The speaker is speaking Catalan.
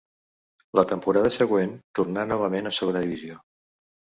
La temporada següent tornà novament a segona divisió.